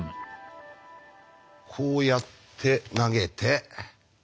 こうやって投げて。